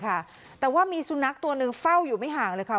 แต่ว่ามีสุนัขตัวหนึ่งเฝ้าอยู่ไม่ห่างเลยค่ะ